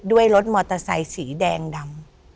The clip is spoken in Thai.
ด้วยรถมอเตอร์ไซสีแดงดำ